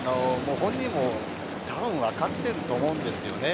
本人もたぶん分かってると思うんですよね。